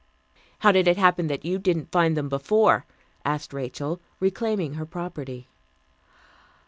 "How did it happen that you didn't find them before?" asked Rachel, reclaiming her property.